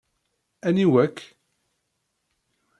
Aniwa-k?